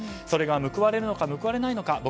それが報われるのか報われないのか